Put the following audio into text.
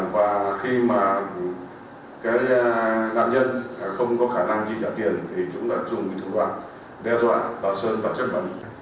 và khi mà cái nạn nhân không có khả năng chi trả tiền thì chúng đã dùng cái thủ đoạn đe dọa tạo sơn tạo chất bẩn